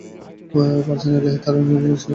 ফারজানা এলাহী এবং Liam Neeson সেখানে উপস্থিত থাকবেন।